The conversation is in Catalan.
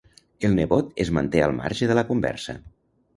El nebot es manté al marge de la conversa.